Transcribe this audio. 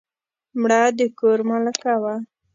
مړه د کور ملکه وه